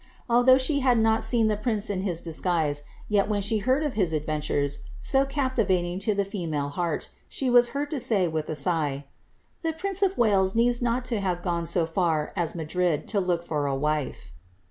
Although she had not seen the prince in his dis guise, yet when she heard of his adventures, so captivating to the female heart, she was heard to say, with a sigh, ^ The prince of Wales need not have gone so fiur as Madrid to look for a wife."